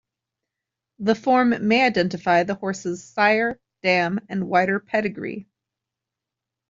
The form may identify the horse's sire, dam and wider pedigree.